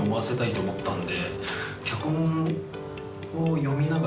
と思ったんで。